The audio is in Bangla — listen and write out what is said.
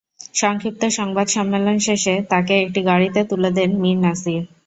সংক্ষিপ্ত সংবাদ সম্মেলন শেষে তাঁকে একটি গাড়িতে তুলে দেন মীর নাছির।